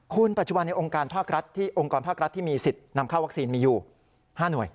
คุณปัจจุบันในองค์กรภาครัฐที่มีสิทธิ์นำเข้าวัคซีนมีอยู่๕หน่วย